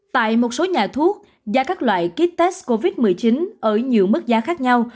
tại một số nhà thuốc giá các loại kites covid một mươi chín ở nhiều mức giá khác nhau